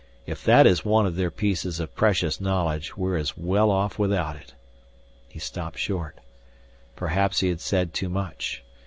"If that is one of their pieces of precious knowledge, we're as well off without it " he stopped short. Perhaps he had said too much.